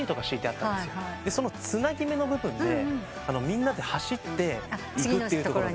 そのつなぎ目の部分でみんなで走っていくという。